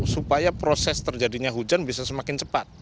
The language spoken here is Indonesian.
supaya proses terjadinya hujan bisa semakin cepat